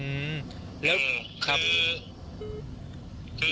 อืมแล้วคือ